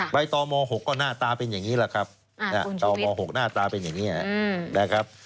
ใบตม๖ก็หน้าตาเป็นอย่างนี้แหละครับต่อม๖หน้าตาเป็นอย่างนี้นะครับ